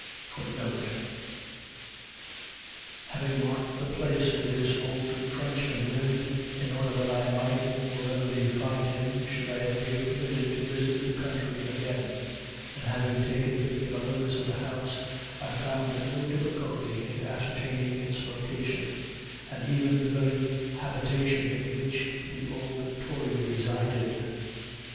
* *[Having marked the place where this old Frenchman lived, in order that I might the more readily find him, should I ever be permitted to visit the country again: and having taken particular notice of the house, I found no difficulty in ascertaining its location, and even the very habitation in which the old tory resided.